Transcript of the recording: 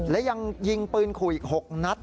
และยังยิงปืนขู่อีก๖นัด